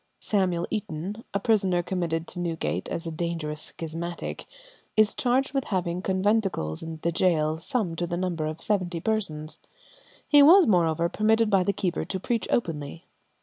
Samuel Eaton, a prisoner committed to Newgate as a dangerous schismatic, is charged with having conventicles in the gaol, some to the number of seventy persons. He was, moreover, permitted by the keeper to preach openly.